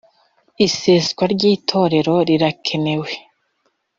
iseswa ry ‘itorero rirakenewe.